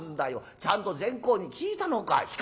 ちゃんと善公に聞いたのかい？」。